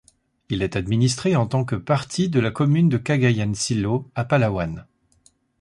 Il est administré en tant que partie de la commune de Cagayancillo, à Palawan.